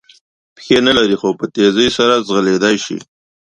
پښې نه لري خو په تېزۍ سره ځغلېدلای شي.